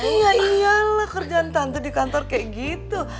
iya iyalah kerjaan tante di kantor kayak gitu